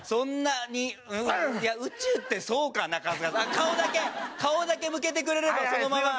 顔だけ顔だけ向けてくれればそのまま。